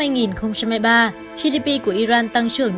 năm hai nghìn một mươi ba gdp của iran tăng trưởng năm bốn